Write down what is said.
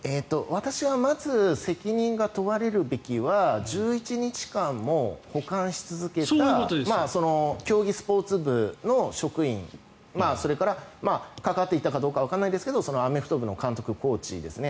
私はまず責任が問われるべきは１１日間も保管し続けた競技スポーツ部の職員それから、関わっていたかどうかわからないですがアメフト部の監督、コーチですね。